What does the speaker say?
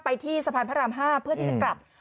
ที่สะพานพระราม๕เพื่อที่จะกลับ